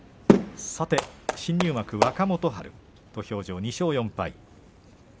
さて新入幕の若元春土俵上、２勝４敗。